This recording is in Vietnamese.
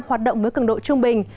hoạt động với cường độ trung bình